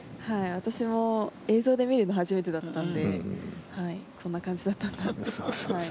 私も映像で見るのは初めてだったのでこんな感じだったんだって。